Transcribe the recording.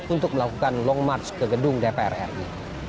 untuk melakukan long march ke gedung dpr ri